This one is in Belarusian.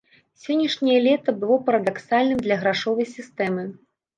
Сённяшняе лета было парадаксальным для грашовай сістэмы.